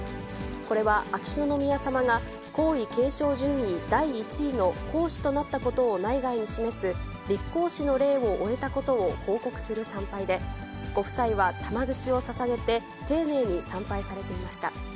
これは秋篠宮さまが皇位継承順位第１位の皇嗣となったことを内外に示す立皇嗣の礼を終えたことを報告する参拝で、ご夫妻は玉串をささげて、丁寧に参拝されていました。